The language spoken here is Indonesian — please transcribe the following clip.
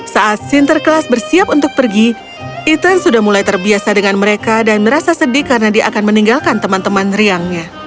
saat sinterklas bersiap untuk pergi ethan sudah mulai terbiasa dengan mereka dan merasa sedih karena dia akan meninggalkan teman teman riangnya